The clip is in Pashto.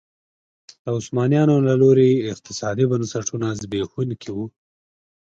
د عثمانیانو له لوري اقتصادي بنسټونه زبېښونکي وو.